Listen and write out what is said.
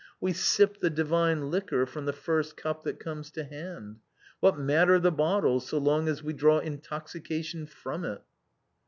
We sip the divine liquor from the first cup that comes to hand. *What matter the bottle, so long as we draw intoxication from it?'"